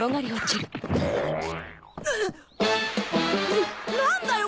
な何だよ！